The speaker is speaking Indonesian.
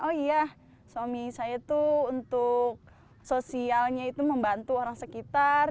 oh iya suami saya tuh untuk sosialnya itu membantu orang sekitar